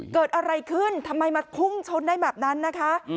เกิดอะไรขึ้นทำไมมาพุ่งชนได้แบบนั้นนะคะ